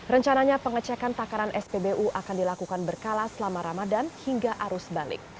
rencananya pengecekan takaran spbu akan dilakukan berkali kali